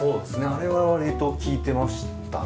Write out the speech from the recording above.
あれは割と利いてましたね。